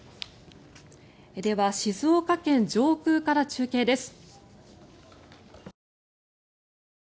では、静岡県上空から中継です。